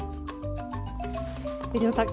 藤野さん